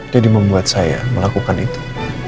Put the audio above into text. jadi membuat saya melakukan itu